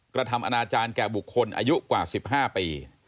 กระทำอนาจารย์แก่บุคคลอายุกว่า๑๕ปี